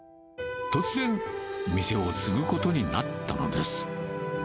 突然、店を継ぐことになったのです。